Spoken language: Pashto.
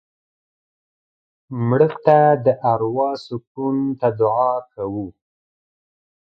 مړه ته د اروا سکون ته دعا کوو